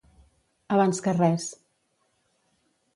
Abans que res.